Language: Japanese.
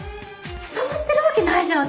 伝わってるわけないじゃん